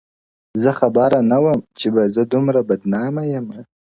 o زه خبره نه وم چي به زه دومره بدنامه يمه ,